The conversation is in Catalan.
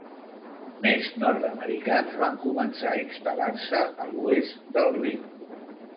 Més nord-americans van començar a instal·lar-se a l'oest del riu.